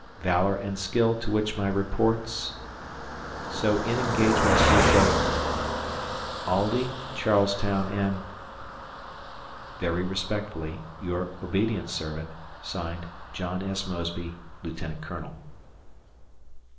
. valor and skill to which my reports ... so in engagements with the ... Aldie, Charles Town, and ... Very respectfully, Your obedient servant, (Signed) John S. Mosby, Lieutenant Colonel.